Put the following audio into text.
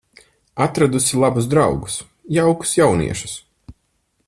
Atradusi labus draugus, jaukus jauniešus.